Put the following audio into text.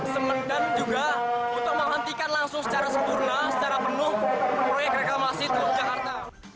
sementara juga untuk menghentikan langsung secara sempurna secara penuh proyek reklamasi teluk jakarta